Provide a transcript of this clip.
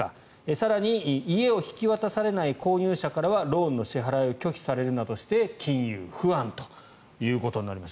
更に、家を引き渡されない購入者からはローンの支払いを拒否されるなどして金融不安ということになります。